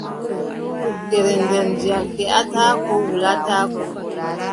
Tuggere nder ndiyam, feʼataako wulataako.